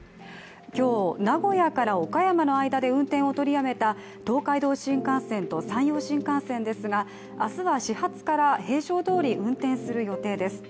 今日、名古屋から岡山の間で運転を取りやめた東海道新幹線と山陽新幹線ですが明日は始発から平常どおり運転する予定です。